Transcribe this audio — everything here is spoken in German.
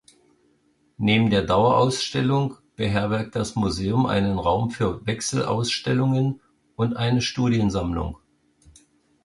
Neben der Dauerausstellung beherbergt das Museum einen Raum für Wechselausstellungen und eine Studiensammlung.